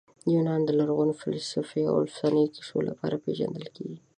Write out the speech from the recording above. یونان د لرغوني فلسفې او افسانوي کیسو لپاره پېژندل کیږي.